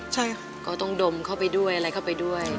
ใช่ค่ะ